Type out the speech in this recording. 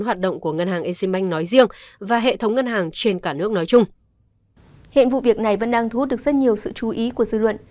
hiện vụ việc này vẫn đang thu hút được rất nhiều sự chú ý của dư luận